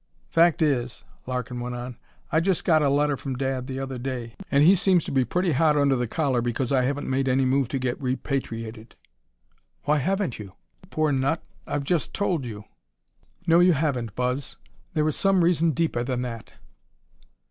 "Fact is," Larkin went on, "I just got a letter from Dad the other day and he seems to be pretty hot under the collar because I haven't made any move to get repatriated." "Why haven't you?" "You poor nut! I've just told you." "No you haven't, Buzz. There is some reason deeper than that."